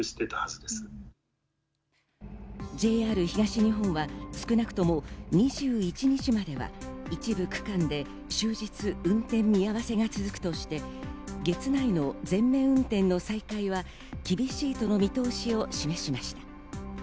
ＪＲ東日本は少なくとも２１日までは一部区間で終日運転見合わせが続くとして、月内の全面運転の再開は厳しいとの見通しを示しました。